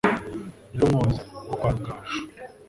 Yari umwozi wo kwa Rugaju